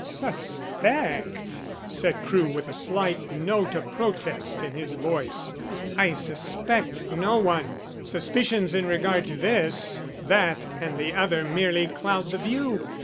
"Suspect?" said Crewe with a slight note of protest in his voice. "I suspect no one. Suspicions in regard to this, that and the other merely cloud the view.